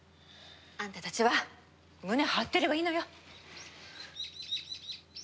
あんたたちは胸張ってればいいのよ！